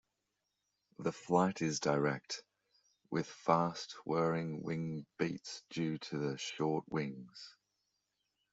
The flight is direct, with fast whirring wing beats due to the short wings.